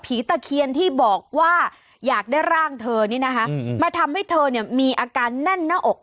ตะเคียนที่บอกว่าอยากได้ร่างเธอนี่นะคะมาทำให้เธอมีอาการแน่นหน้าอก